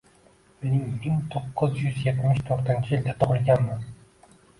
Men ming to’qqiz yuz yetmish to’rtinchi yilda tug‘ilganman.